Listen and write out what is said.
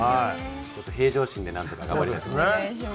ちょっと平常心でなんとか頑張りたいと思います。